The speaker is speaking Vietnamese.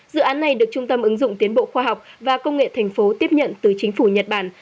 dự án này được trung tâm ứng dụng tiến bộ khoa học và công nghệ thành phố tiếp nhận từ chính phủ nhật bản